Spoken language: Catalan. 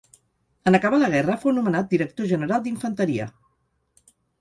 En acabar la guerra fou nomenat Director general d'Infanteria.